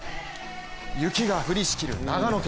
雪が降りしきる長野県。